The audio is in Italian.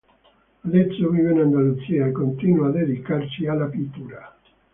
Adesso vive in Andalusia e continua a dedicarsi alla pittura.